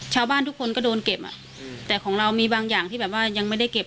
ชาวบ้านทุกคนก็โดนเก็บอ่ะแต่ของเรามีบางอย่างที่แบบว่ายังไม่ได้เก็บ